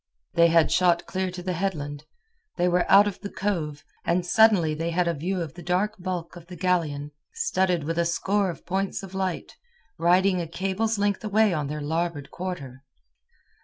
They had shot clear to the headland. They were out of the cove, and suddenly they had a view of the dark bulk of the galleon, studded with a score of points of light, riding a cable's length away on their larboard quarter.